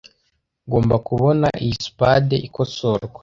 Ngomba kubona iyi spade ikosorwa .